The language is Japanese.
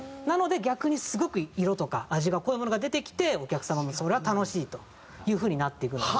なので逆にすごく色とか味が濃いものが出てきてお客様もそりゃ楽しいという風になっていく。